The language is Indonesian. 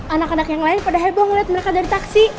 anak anak yang lain padahal bawa ngeliat mereka dari taksi